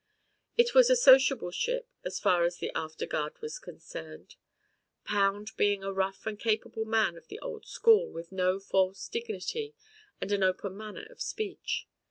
It was a sociable ship as far as the afterguard was concerned. Pound being a rough and capable man of the old school with no false dignity and an open manner of speech.